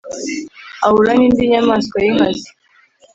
ahura n’indi nyamaswa y’inkazi,